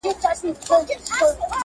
ځمکې ته ټيټ شه خاورې ښکل کړه